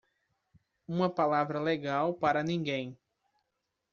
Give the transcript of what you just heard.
Uma palavra legal para ninguém.